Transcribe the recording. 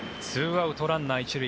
２アウト、ランナー１塁。